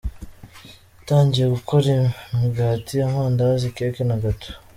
Yatangiye gukora imigati, amandazi, keke na gato.